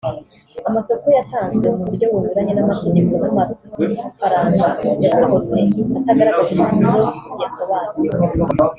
amasoko yatanzwe mu buryo bunyuranye n’amategeko n’amafaranga yasohotse atagaragaza impapuro ziyasobanura